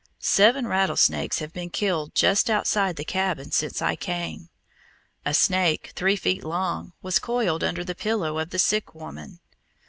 Seven rattlesnakes have been killed just outside the cabin since I came. A snake, three feet long, was coiled under the pillow of the sick woman.